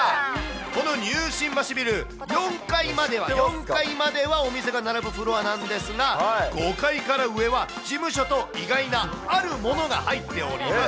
このニュー新橋ビル、４階までは、４階まではお店が並ぶフロアなんですが、５階から上は事務所と意外なあるものが入っております。